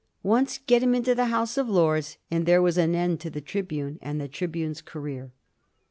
Once get him into the House of Lords and there was an end to the trib« une and the tribune's career.